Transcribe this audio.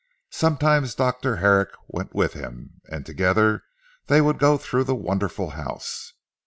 Sometimes Dr. Herrick went with him, and together they would go through that wonderful house.